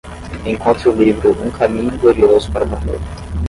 Encontre o livro Um Caminho Glorioso para Morrer